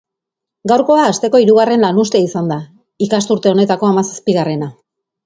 Gaurkoa asteko hirugarren lanuztea izan da, ikasturte honetako hamazazpigarrena.